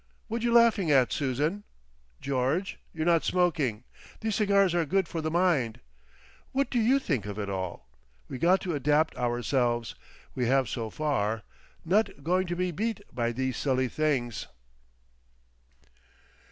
Whad you laughing at, Susan? George, you're not smoking. These cigars are good for the mind.... What do you think of it all? We got to adapt ourselves. We have—so far.... Not going to be beat by these silly things."